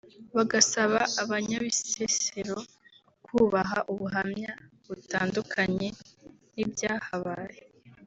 bagasaba abanyabisesesro kubaha ubuhamya butandukanye n’ibyahabaye